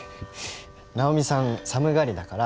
ナオミさん寒がりだから。